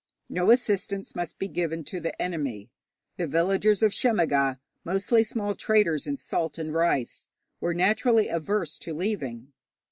No assistance must be given to the enemy. The villagers of Shemmaga, mostly small traders in salt and rice, were naturally averse to leaving.